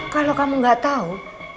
kalau kamu gak tau